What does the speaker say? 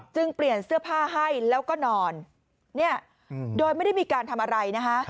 จึงเปลี่ยนเสื้อผ้าให้แล้วก็นอนเนี่ยโดยไม่ได้มีการทำอะไรนะคะ